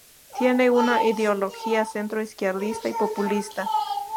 Tiene una ideología centro-izquierdista y populista.